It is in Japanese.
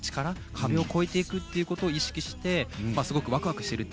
壁を越えていくことを意識してすごくワクワクしていると。